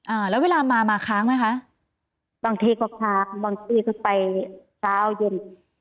อ่าแล้วเวลามามาค้างไหมคะบางทีก็ค้างบางทีก็ไปเช้าเย็น